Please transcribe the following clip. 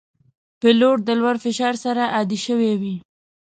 پیلوټ د لوړ فشار سره عادي شوی وي.